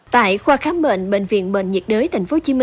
tại khoa khám bệnh bệnh viện bệnh nhiệt đới tp hcm